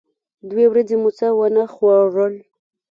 دوې ورځې مو څه و نه خوړل.